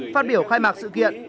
phát biểu khai mạc sự kiện